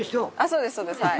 そうです、そうですはい。